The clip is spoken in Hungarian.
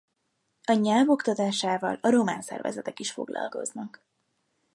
A nyelv oktatásával aromán szervezetek is foglalkoznak.